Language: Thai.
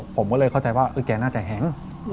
ผมก็เลยเข้าใจว่าแกน่าจะแห้ง